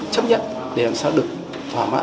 chấp nhận để làm sao được thỏa mãn